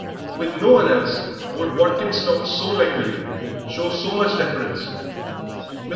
With no one else would Watkins talk so lengthily, showing so much deference. Mr.